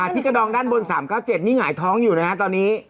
ที่กระดองด้านบน๓๙๗นี่หงายท้องอยู่นะฮะตอนนี้